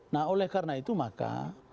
nah oleh karena itu maka